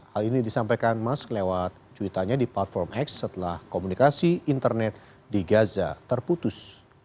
hal ini disampaikan mas lewat cuitannya di platform x setelah komunikasi internet di gaza terputus